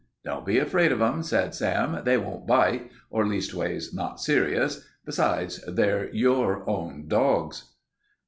"Don't be afraid of 'em," said Sam. "They won't bite or leastways, not serious. Besides, they're your own dogs."